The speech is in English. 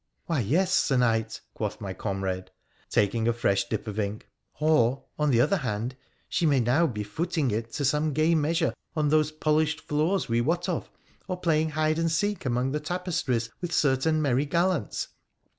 ' Why yes, Sir Knight,' quoth my comrade, taking a fresh dip of ink, ' or, on the other hand, she may now be footing it to some gay measure on those polished floors we wot of, or playing hide and seek among the tapestries with certain merry gallants